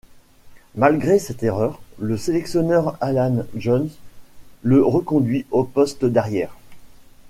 Malgré cette erreur, le sélectionneur Alan Jones le reconduit au poste d'arrière.